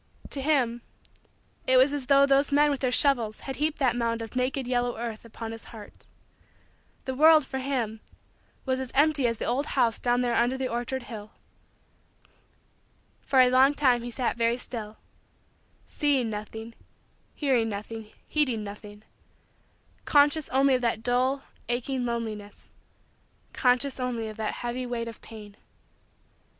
To him, it was as though those men with their shovels had heaped that mound of naked, yellow, earth upon his heart. The world, for him, was as empty as the old house down there under the orchard hill. For a long time he sat very still seeing nothing, hearing nothing, heeding nothing conscious only of that dull, aching, loneliness conscious only of that heavy weight of pain.